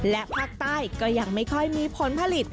และภาคใต้ก็ยังไม่ค่อยมีผลผลิต